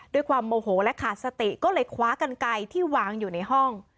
ด้วยความโมโหและขาดสติก็เลยคว้ากันไกลที่วางอยู่ในห้อง